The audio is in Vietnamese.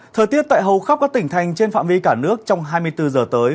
thời tiết tại hầu khắp các tỉnh thành trên phạm vi cả nước trong hai mươi bốn giờ tới